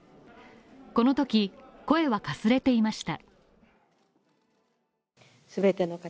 このとき、声はかすれていました。